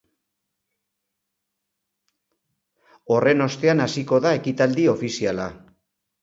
Horren ostean hasiko da ekitaldi ofiziala.